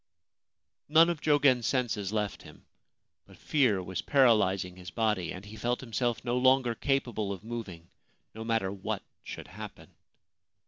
None of Jogen's senses left him ; but fear was paralysing his body, and he felt himself no longer capable of moving — no matter what should happen.